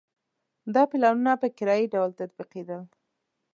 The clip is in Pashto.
دا پلانونه په کرایي ډول تطبیقېدل.